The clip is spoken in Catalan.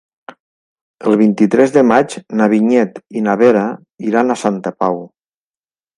El vint-i-tres de maig na Vinyet i na Vera iran a Santa Pau.